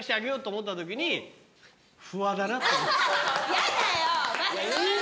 やだよ！